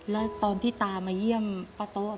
แล้วตอนที่ตามาเยี่ยมป้าโต๊ะ